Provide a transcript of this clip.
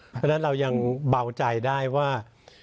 เพราะฉะนั้นเรายังเบาใจได้ว่า